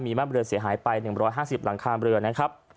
บ้านเรือนเสียหายไป๑๕๐หลังคาเรือนะครับ